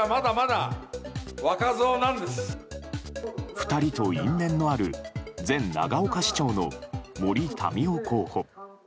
２人と因縁のある前長岡市長の森民夫候補。